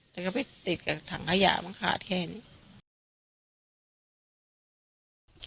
แต่ก็ไปติดกับถังขยะมันขาดแค่นี้